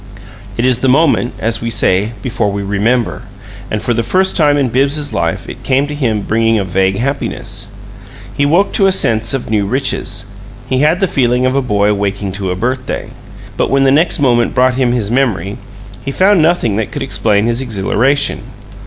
It is the moment, as we say, before we "remember"; and for the first time in Bibbs's life it came to him bringing a vague happiness. He woke to a sense of new riches; he had the feeling of a boy waking to a birthday. But when the next moment brought him his memory, he found nothing that could explain his exhilaration.